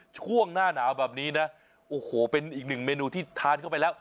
ช่วงหน้าหนาวแบบนี้นะโอ้โหเป็นอีกหนึ่งเมนูที่ทานเข้าไปแล้ว